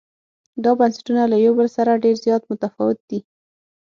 دا بنسټونه له یو بل سره ډېر زیات متفاوت دي.